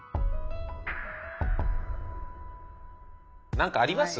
何かあります？